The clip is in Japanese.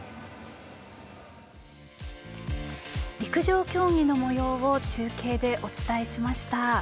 陸上競技のもようを中継でお伝えしました。